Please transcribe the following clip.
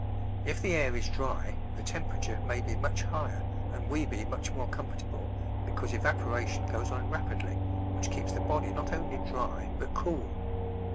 If the air is dry the temperature may be much higher and we be much more comfortable, because evaporation goes on rapidly, which keeps the body not only dry, but cool.